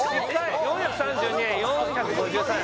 ４３２円４５３円